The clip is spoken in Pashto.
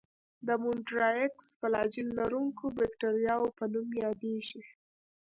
د مونټرایکس فلاجیل لرونکو باکتریاوو په نوم یادیږي.